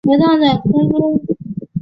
回荡在空中